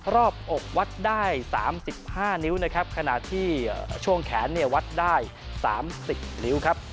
บอกวัดได้๓๕นิ้วนะครับขณะที่ช่วงแขนเนี่ยวัดได้๓๐นิ้วครับ